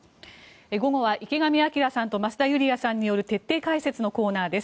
午後は池上彰さんと増田ユリヤさんによる徹底解説のコーナーです。